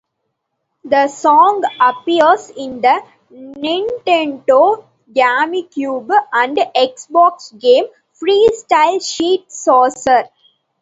The song appears in the Nintendo Gamecube and Xbox game "Freestyle Street Soccer".